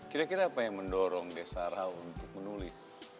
kira kira apa yang mendorong desa ra untuk menulis